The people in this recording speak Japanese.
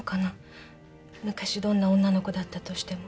昔どんな女の子だったとしても。